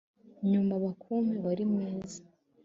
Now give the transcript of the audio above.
nyuma bakumpe mwari mwiza.